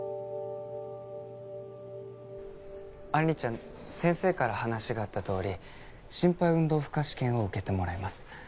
杏里ちゃん先生から話があったとおり心肺運動負荷試験を受けてもらいます